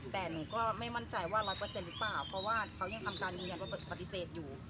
แต่หนูก็ไม่มั่นใจว่า๑๐๐หรือเปล่าเพราะว่าเขายังทำการยืนยันว่าปฏิเสธอยู่